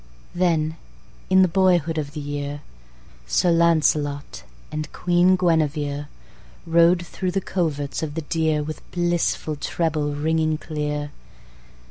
Then, in the boyhood of the year, Sir Launcelot and Queen Guinevere Rode thro' the coverts of the deer, With blissful treble ringing clear.